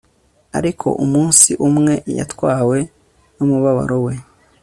ariko umunsi umwe, yatwawe numubabaro we